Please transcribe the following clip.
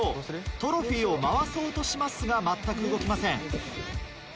トロフィーを回そうとしますが全く動きません。